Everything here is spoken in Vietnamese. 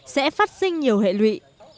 sẽ phát sinh nhiều hệ lụy